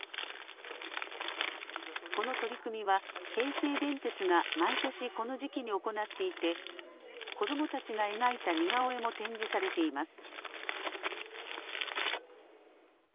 この取り組みは、京成電鉄が毎年、この時期に行っていて、子どもたちが描いた似顔絵も展示されています。